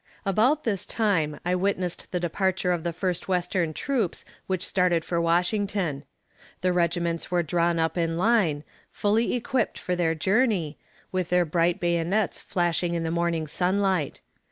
About this time I witnessed the departure of the first western troops which started for Washington. The regiments were drawn up in line fully equipped for their journey with their bright bayonets flashing in the morning sunlight.